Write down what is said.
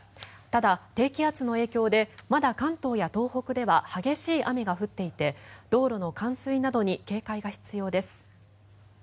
ただ、低気圧の影響でまだ関東や東北では激しい雨が降っていて道路の冠水などに警戒が必要です。